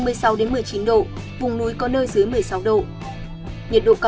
phía đông bắc bộ vùng núi có nơi dưới một mươi sáu độ